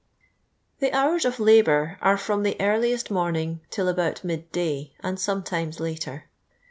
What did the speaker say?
The ftonrs of labour are from the earliest moniing till about midday, and sometimes later.